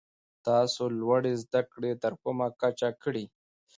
تاسو لوړي زده کړي تر کومه کچه کړي ؟